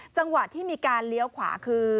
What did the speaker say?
จังหวะที่มีการเลี้ยวขวาคือ